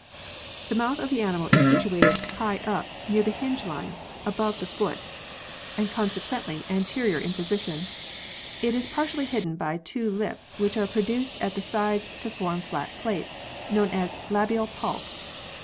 The mouth of the animal is situated high up near the hinge line, above the foot and consequently anterior 32 PEARLS [CH. in position. It is partially hidden by two lips which are produced at the sides to form flat plates known as labial palps.